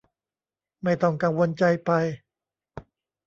ไม่ต้องกังวลใจไป